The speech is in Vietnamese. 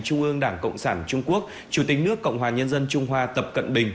trung ương đảng cộng sản trung quốc chủ tịch nước cộng hòa nhân dân trung hoa tập cận bình